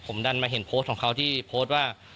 ผมดันมาเห็นโพสต์ของเขาที่โพสต์ว่า